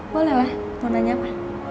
boleh lah mau nanya apa